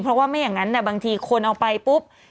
เพราะว่าไม่อย่างนั้นบางทีคนเอาไปปุ๊บ